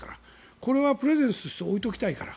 これはプレゼンスとして置いておきたいから。